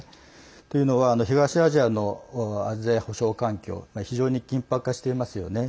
というのは東アジアの安全保障環境非常に緊迫化していますよね。